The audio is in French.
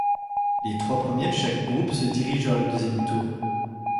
Les trois premiers de chaque groupe se dirigent vers le deuxième tour.